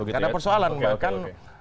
karena persoalan bahkan